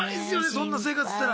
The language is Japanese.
そんな生活してたら。